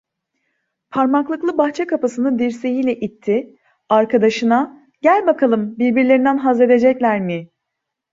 Parmaklıklı bahçe kapısını dirseğiyle itti, arkadaşına: "Gel bakalım, birbirlerinden hazzedecekler mi?"